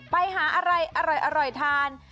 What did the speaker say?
ไปหาอะไรอร่อยทาน